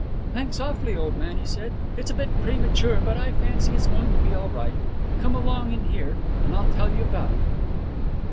'Thanks awfully, old man,' he said. 'It's a bit premature, but I fancy it's going to be all right. Come along in here, and I'll tell you about it.'